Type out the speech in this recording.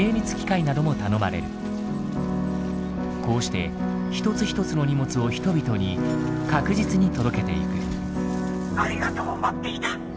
こうして一つ一つの荷物を人々に確実に届けていく。